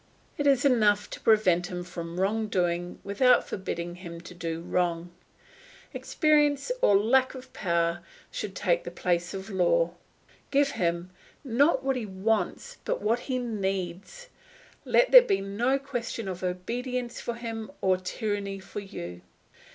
It is enough to prevent him from wrong doing without forbidding him to do wrong. Experience or lack of power should take the place of law. Give him, not what he wants, but what he needs. Let there be no question of obedience for him or tyranny for you.